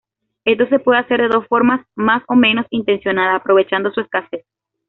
Esto se puede hacer de forma más o menos intencionada aprovechando su escasez.